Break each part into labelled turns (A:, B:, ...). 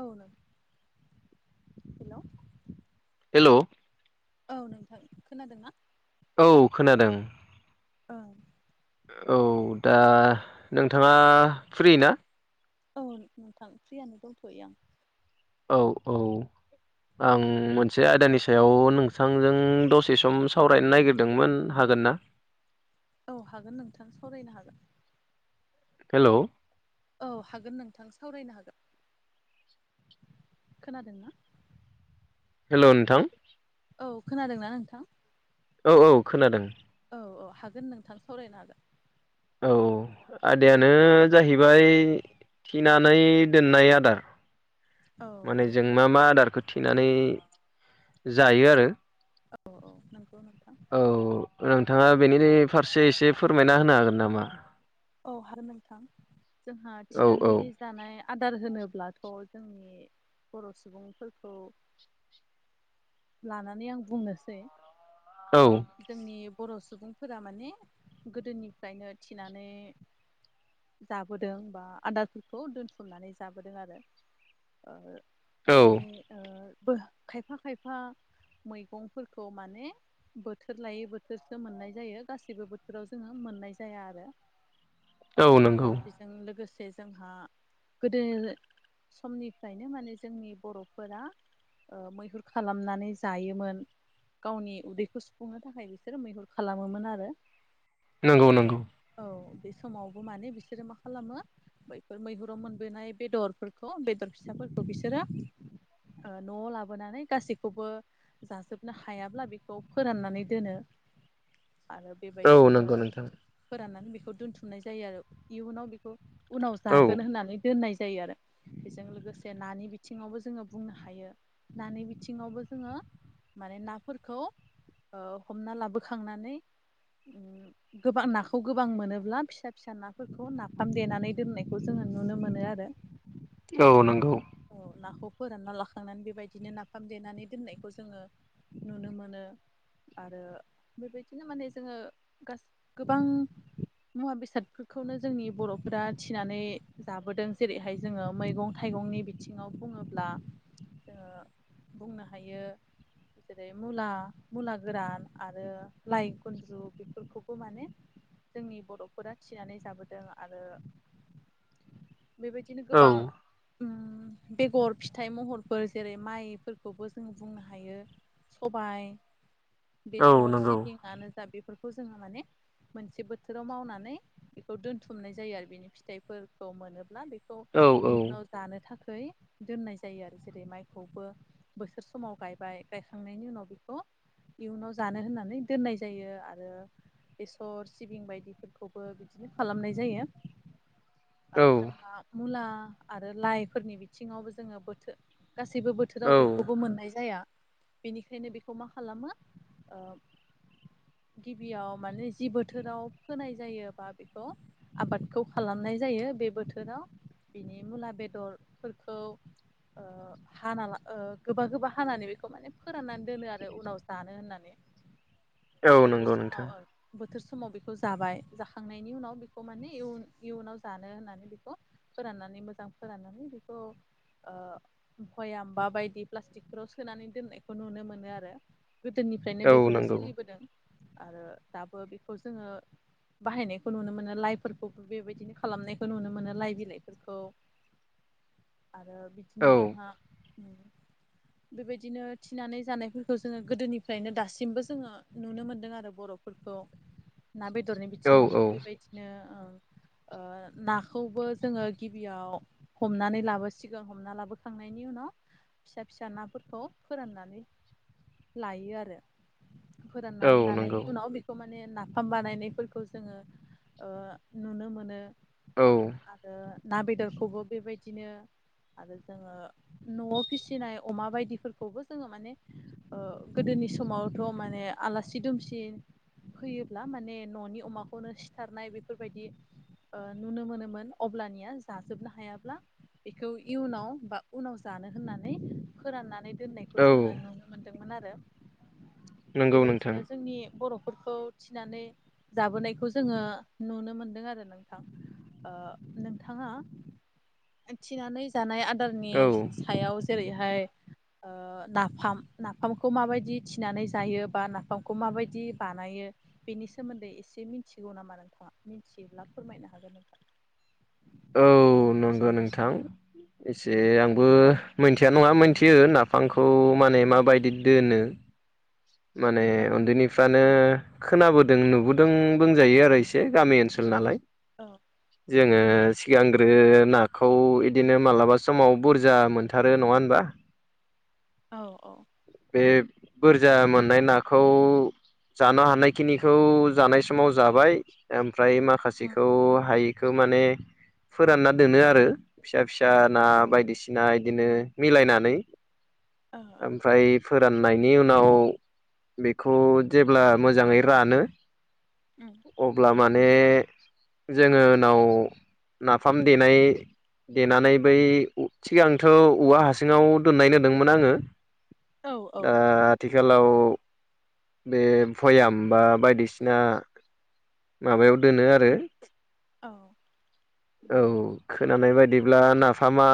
A: औ नों हेल'
B: हेल'
A: औ नोंथां खोनादों ना?
B: औ खोनादों।
A: औ
B: औ दा नोंथाङा फ्रि ना?
A: औ नोंथां फ्रियानो दंथ'यो आं
B: औ औ आं एसे आयदानि सायाव नोंथांजों दसे सम सावरायनो नागिरदोंमोन हागोन ना?
A: औ हागोन नोंथां सावरायनो हागोन।
B: हेल'
A: औ हागोन नोंथां सावरायनो हागोन। खोनादोंना?
B: हेल' नोंथां
A: औ खोनादोंना नोंथां
B: औ औ खोनादों
A: औ औ हागोन नोंथां सावरायनो हागोन।
B: औ आदायानो जाहैबाय थेनानै दोन नाय आदार
A: औ औ
B: माने जों मा मा आदारखौ थेनानै जायो आरो
A: औ औ नंगौ नोंथां
B: औ नोंथाङा बेनि फारसे एसे फोरमायना होनो हागोन नामा?
A: औ हागोन नोंथां जोंहा
B: औ औ
A: थिनानै जानाय आदार होनोब्लाथ' जोंनि बर' सुबुंफोरखौ लानानै आं बुंनोसै
B: औ
A: जोंनि बर' सुबुंफोरा माने गोदोनिफ्रायनो थिनानै जाबोदों बा आदारफोरखौ दोनथुमनानै जाबोदों आरो
B: औ
A: जोंनि ओ बो खायफा खायफा मैगंफोरखौ माने बोथोर लायै बोथोरसो मोननाय जायो गाैबो बोथोराव जोङो मोननाय जाया आरो
B: औ नंगौ
A: आरो बेजों लोगोसे जोंहा गोदो समनिफ्रायनो माने जोंनि बर'फोरा मैहुर खालामनानै जायोमोन। गावनि उदैखौ सुफुंनो थाखाय बिसोरो मैहुर खालामोमोन आरो।
B: नंगौ नंगौ
A: औ बे समावबो माने बिसोरो मा खालामो बैफोर मैहुराव मोनबोनाय बेदरफोरखौ बेदर फिसाफोरखौ बिसोरो न'आव लाबोनानै गासैखौबो जाजोबनो हायाब्ला बेखौ फोराननानै दोनो आरो
B: औ
A: बेबायदिनो
B: नंगौ नोंथां
A: फोराननानै बेखौ दोनथुमनाय जायो आरो इयुनाव बेखौ उनाव
B: औ
A: जागोन होननानै दोननाय जायो आरो बेजों लोगोसे नानि बिथिङावबो जोङो बुंनो हायो नानि बिथिङावबो जोंङो माने नाफोरखौ ओ हमना लाबोखांनानै गोबां नाखौ गोबां मोनोब्ला फिसा फिसा नाफोरखौ नाफाम देनानै दोननायखौ जोङो नुनो मोनो आरो
B: औ नंगौ
A: नाखौ फोरानना लाखांनानै बेबायदिनो नाफाम देनानै दोननायखौ जोंङो नुनो मोनो आरो बेबायदिनो माने जोङो गोबां मुवा बेसादफोरखौनो जोंनि बर'फोरा थिनानै जाबोदों जेरैहाय जोङो मैगं थाइगंनि बिथिङाव बुङोब्ला जोङो बुंनो हायो। जेरै मुला मुला गोरान आरो लाइ गुनन्द्रु बेफोरखौबो माने जोंनि बर'फोरा थिनानै जाबोदों आरो बेबायदिनो
B: औ
A: गोबां उम बेगर फिथाइ महरफोर जेरै माइफोरखौबो जों बुंनो हायो सबायाइ
B: औ
A: बेसर
B: नंगौ
A: सिबिंआनो जा बेफोरखौ जोङो माने मोनसे बोथोर बोथोराव मावनानै बेखौ दोनथुमनाय जायो आरो बेनि फिथाइफोरखौ मोनोब्ला बे
B: औ औ
A: इयुनाव जानो थाखाय दोननाय जायो आरो जेरै माइखौबो बोसोर समाव गायबाय गायखांनायनि उनाव बेखौ इयुनाव जानो होननानै दोननाय जायो आरो बेसर सिबिं बायदि बिफोरखौबो बिदिनो खालामनाय जायो
B: औ
A: आरो जोंहा मुला आरो लाइफोरनि बिथिङावबो जोङो बोथोर गासैबो बोथोर
B: औ
A: बोथोराव बेखौबो मोननाय जाया बेनिखायनो बेखौ मा खालामो गिबियाव माने जि बोथोराव फोनाय जायोबा बेखौ आबादखौ खालामनाय जायो बे बोथोराव बिनि मुला बेदरफोरखौ ओह हाना ला ओ गोबा गोबा हानानै बेखौ माने फोराननानै दोनो आरो उनाव जानो होननानै
B: [unintelligible]
A: बोथोर
B: नंगौ नोंथां
A: समाव बोथोर समाव बेखौ जाबाय जाखांनायनि उनाव बेखौ माने इयुन इयुनाव जानो होननानै बेखौ फोराननानै मोजां फोराननानै बेखौ ओ खयामबा बायदि प्लास्टिकफोराव सोनानै दोननायखौ नुनो मोनो आरो। गोदोनिफ्रायनो
B: औ
A: बेफोरो
B: नंगौ
A: सोलिबोदों आरो दाबो बेखौ जोङो बाहायनायखौ नुनो मोनो लाइफोरखौबो बेबायदिनो खालामनायखौ नुनो मोनो लाइ बिलाइफोरखौ आरो
B: औ
A: बिदिनो जोंहा बेबायदिनो थिनानै जानायफोरखौ जोङो गोदोनिफ्रायनो दासिमबो जोङो नुनो मोनदों आरो बर' फोरफोरखौ ना बेदरनि
B: औ
A: बिथिङावबो
B: औ
A: बेबायदिनो ओ नाखौबो जोङो गिबियाव हमनानै लाबोसिगोन हमना लाबोखांनायनि उनाव फिसा फिसा नाफोरखौ फोराननानै लायो आरो
B: औ
A: फोराननानै
B: नंगौ
A: लानायनि उनाव बेखौ माने नाफाम बानायनाय फोरफोरखौ जोङो ओ नुनो मोनो
B: औ
A: आरो ना बेदरखौबो बेबायदिनो आरो जोङो न'आव फिसिनाय अमा बायदिफोरखौबो जोङो माने ओ गोदोनि समावथ' माने आलासि दुमसि फैयोब्ला माने न'नि अमाखौनो सिथारनाय बेफोरबायदि ओ नुनो मोनोमोन अब्लानिया जाजोबनो हायाब्ला बेखौ इयुनाव बा उनाव जानो होननानै फोराननानै दोननायखौ
B: औ
A: जोङो नुनो मोनदोंमोन आरो
B: नंगौ नोंथां
A: बेबायदिनो जोंनि बर'फोरखौ थिनानै जाबोनायखौ जोङो नुनो मोनदों आरो नोंथां। ओ नोंथाङा थिनानै जानाय आदारनि
B: औ
A: सायाव जेरैहाय ओ नाफाम नाफामखौ माबायदि थिनानै जायो बा नाफामखौ माबायदि बानायो बेनि सोमोन्दै एसे मिथिगौ नामा नोंथाङा मिथियोब्ला फोरमायनो हागोन नोंथां
B: औ नंगौ नोंथां एसे आंबो मोनथिया नङा मोनथियो नाफामखौ माने माबायदि दोनो माने
A: औ
B: उन्दैनि फानो खोनाबोदों नुबोदों बुंजायो आरो एसे गामि ओनसोल नालाय
A: औ
B: जोङो
A: ओं
B: सिगांग्रो नाखौ बिदिनो मालाबा समाव बुरजा मोनथारो नङा होनबा।
A: औ औ।
B: बे बुरजा मोननाय नाखौ जानो हानायखिनिखौ जानाय समाव जाबाय ओमफ्राय
A: औ
B: माखासेखौ हाय खौ माने फोरानना दोनो आरो फिसा फिसा ना
A: ओ
B: बायदिसि सिना बिदिनो मिलायनानै।
A: ओं
B: ओमफ्राय फोराननायनि उनाव बेखौ जेब्ला मोजाङै रानो
A: ओम
B: अब्ला माने जोङो उनाव नाफाम देनाय देनानै बै थिग आंथ' औवा हसिङाव दोननाय नुदोंमोन आङो
A: औ
B: दा
A: औ
B: आथिखालाव बे भयाम बा बायदिसिना माबायाव दोनो आरो
A: औ।
B: औ
A: नंगौ
B: खोनानाय बायदिब्ला नाफामा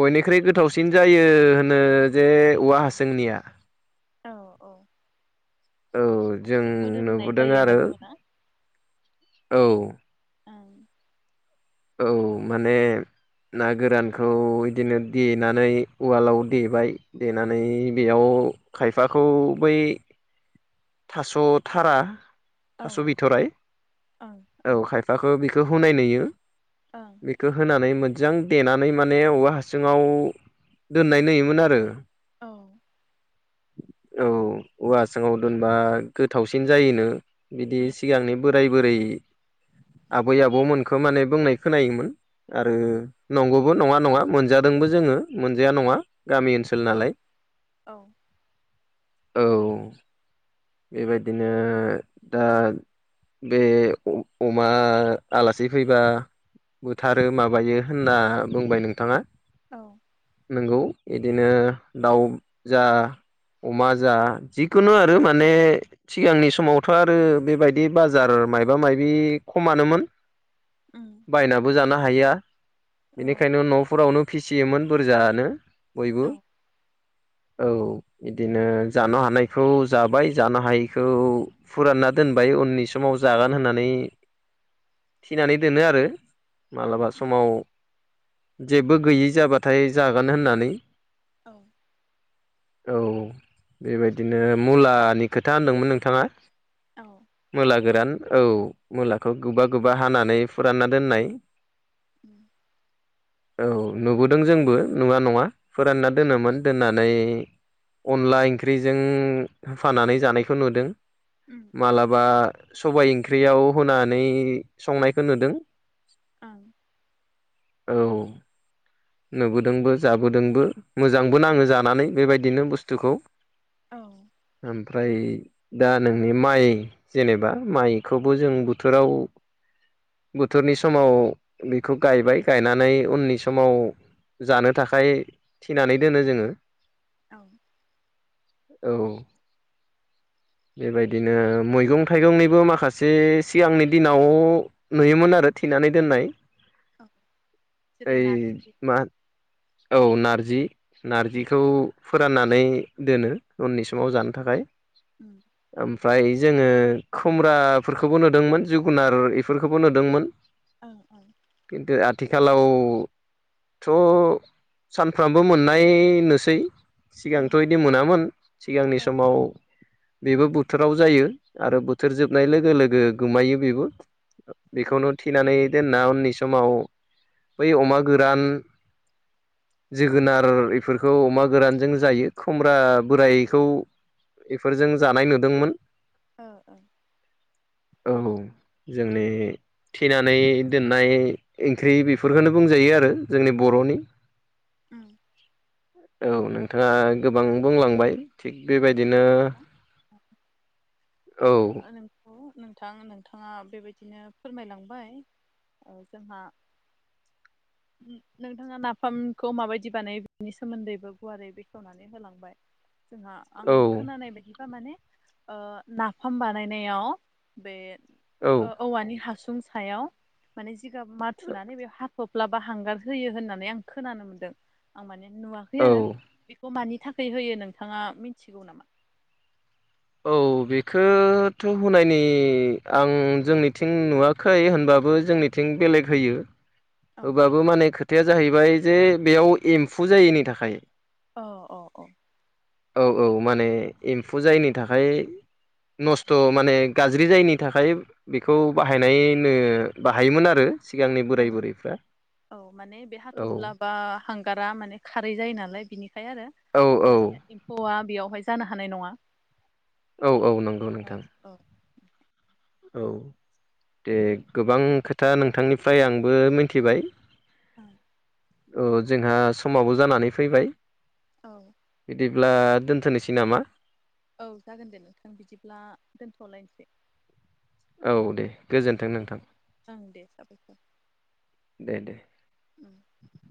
B: बयनिख्रुइ गोथावसिन जायो होनो जे औवा हासोंनिया
A: औ औ।
B: औ जों
A: साबसिन मोदोमनाय
B: नुबोदों
A: जायो होनना
B: आरो
A: बुङोना
B: औ
A: ओं
B: औ माने ना गोरानखौ इदिनो देनानै उवालाव देबाय देनानै बेयाव खायफाखौ बै थास थारा
A: औ
B: थास
A: औ
B: बिथराइ
A: ओं ओं
B: औ खाय फाखौ बिखौ होनाय नुयो।
A: ओं।
B: बेखो होनानै मोजां देनानै माने औवा हासुङाव दोननाय नुयोमोन आरो।
A: औ।
B: औ औवासुंआव दोनबा गोथावसिन जायोनो। बिदि
A: उम
B: सिगांनि बोराय बोरै आबै आबौमोनखो माने बुंनाय खोनायोमोन। आरो
A: उम
B: नंगौबो नङा नङा मोनजादोंबो जोङो मोनजाया नङा। गामि ओनसोल
A: औ
B: नालाय
A: औ
B: औ। बेबायदिनो दा बे अ-अमा आलासि फैबा बुथारो माबायो होनना बुंबाय नोंथाङा।
A: औ।
B: नोंगौ बिदिनो दाउ जा अमा जा जि खुनु आरो माने सिगांनि समावथ आरो बेबायदि बाजार मायबा मायबि खमानोमोन
A: ओम।
B: बायनाबो जानो हाया
A: औ
B: बेनिखायनो नफोरावनो फिसियोमोन बुरजानो। बयबो औ इदिनो जानो हानाय खौ जाबाय जानो हायैखौ फुरानना दोनबाय उननि समाव जागोन होननानै थिनानै दोनो आरो।
A: उम
B: मालाबा
A: उम
B: समाव जेबो गैयि जाबाथाय जागोन होननानै।
A: औ।
B: औ बेबायदि बिदिनो मुलानि खोथा होनदोंमोन नोंथाङा।
A: औ।
B: मुला गोरान औ मुलाखौ गोबा गोबा हानानै फोरानना दोननाय
A: ओम।
B: औ नुबोदों जोंबो नुवा नङा फोरानना
A: औ
B: दोनोमोन। दोननानै अनला ओंख्रिजों होफानानै जानायखौ नुदों।
A: उम उम
B: मालाबा सबाय ओंख्रियाव होनानै संनायखो नुदों।
A: ओं
B: औ नुबोदोंबो जाबोदोंबो। मोजांबो
A: औ
B: नाङो जानानै बेबायदिनो बुस्थुखौ।
A: औ
B: ओमफ्राय दा नोंनि माइ जेनेबा माइखौबो जों बोथोराव बोथोरनि समाव बेखौ गायबाय गायनानै उननि समाव जानो थाखाय थिनानै दोनो जोङो।
A: औ
B: औ बेबायदिनो मैगं थाइगंनिबो माखासे सिगांनि दिनाव नुयोमोन आरो थेनानै दोननाय
A: औ जेरै
B: ओइ
A: नारजि
B: मा औ नारजि
A: ओं
B: नारजिखौ फोराननानै दोनो उननि समाव जानो थाखाय।
A: उम
B: ओमफ्राय जोङो खुम्ब्राफोरखोबो नुदोंमोन जोगुनार इफोरखोबो नुदोंमोन।
A: ओं ओं
B: किन्टु आथिखालाव थ' सानफ्रामबो मोननाय नोसै सिगां
A: उम
B: बिदि मोनामोन सिगांनि
A: औ
B: समाव। बेबो बोथोराव जायो आरो बोथोर जोबनाय लोगो लोगो गोमायो बेबो
A: ओं
B: बेखौनो थिनानै दोनना उननि समाव बै अमा गोरान जोगोनार इफोरखौ अमा गोरानजों जायो। खुमब्रा
A: औ
B: बोरायखौ इफोरजों जानाय नुदोंमोन।
A: औ औ
B: औ जोंनि थिनानै दोननाय ओंख्रि बेफोरखौनो बुंजायो आरो जोंनि बर'नि [inaudible]
A: उम
B: औ नोंथाङा गोबां बुंलांबाय। थिग
A: नंगौ
B: बेबायदिनो
A: नोंथां
B: औ
A: ओ नोंगौ नोंथां नोंथाङा बेबायदिनो फोरमायलांबाय। ओ जोंहा
B: [inaudible]
A: नोंथाङा नाफामखौ माबायदि बानायो बेनि सोमोन्दैबो गुवारै बेखेवनानै होलांबाय जोंहा आं
B: औ
A: खोनानाय बायदिबा माने ओ नाफाम बानायनायाव बे
B: औ
A: ओ औवानि हासुं सायाव माने जिगाब माथुनानै बेयाव हाथप्ला बा हांगार होयो होननानै आं खोनानो मोन्दों। आं माने नुवाखै
B: औ
A: आरो बेखौ मानि थाखाय होयो नोंथाङा मिथिगौ नामा?
B: औ बेखो थ' होनायनि आं जोंनिथिं नुवाखै होनबा बो जोंनिथिं बेलेग होयो।
A: औ
B: होबाबो माने खोथाया जाहैबाय जे बेयाव एम्फु जायिनि थाखाय।
A: अ अ अ
B: औ औ माने एम्फु जायिनि थाखाय नस्थ' माने गाज्रि जायैनि थाखाय। बेखौ बाहायनायनो बाहायोमोन आरो सिगांनि
A: ओ
B: बोराय बुरै
A: औ माने बे हाथफ्ला बा हांगारा माने खारै जायो नालाय बिनिखाय आरो
B: औ औ
A: अब्लानिया एम्फौआ बेयावहाय जानो हानाय नङा।
B: औ औ नंगौ
A: औ
B: नोंथां
A: औ
B: औ दे गोबां खोथा नोंथांनिफ्राय आंबो मिथिबाय।
A: औ
B: औ जोंहा समाबो जानानै फैबाय
A: औ
B: बिदिब्ला दोनथ'नोसै नामा?
A: औ जागोन दे नोंथां बिदिब्ला दोन्थ'लायनोसै।
B: औ दे गोजोन्थों
A: दे
B: नोंथां
A: ओं दे साबायखर।
B: दे दे
A: उम।